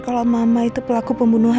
kalau mama itu pelaku pembunuhan